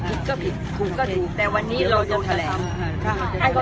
ผิดก็ผิดถูกก็ถูกแต่วันนี้เราจะแถลง